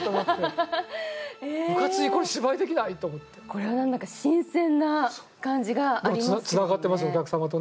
これはなんだか新鮮な感じがありますよね。